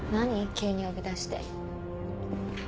急に呼び出して。